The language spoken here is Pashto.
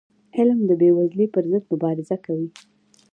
علم د بېوزلی پر ضد مبارزه کوي.